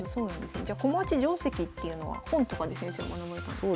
じゃ駒落ち定跡っていうのは本とかで先生学ばれたんですか？